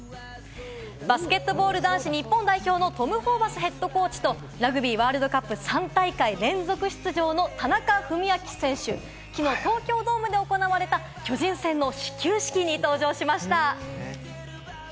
バスケットボール男子日本代表のトム・ホーバスＨＣとラグビーワールドカップ３大会連続出場の田中史朗選手、きのう東京ドームで行われた巨人戦の始球式に登場しました。